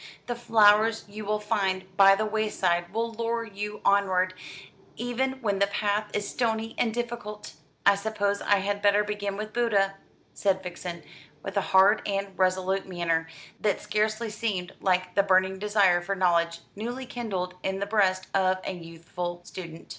The flowers you will find by the wayside will lure you onward, even when the path is stony and difficult." "I suppose I had better begin with Buddha," said Vixen, with a hard and resolute manner that scarcely seemed like the burning desire for knowledge newly kindled in the breast of a youthful student.